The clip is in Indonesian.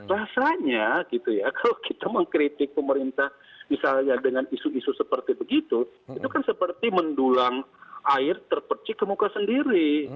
rasanya gitu ya kalau kita mengkritik pemerintah misalnya dengan isu isu seperti begitu itu kan seperti mendulang air terpercik ke muka sendiri